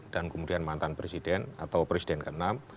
dan kemudian mantan presiden atau presiden ke enam